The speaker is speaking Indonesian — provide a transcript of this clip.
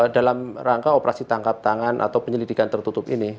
dalam rangka operasi tangkap tangan atau penyelidikan tertutup ini